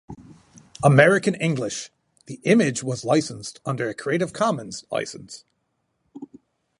American English: the image was licenced under a Creative Commons license.